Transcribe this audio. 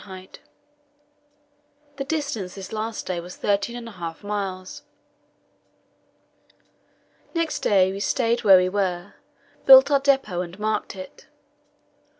The distance this last day was thirteen and a half miles. Next day we stayed where we were, built our depot, and marked it.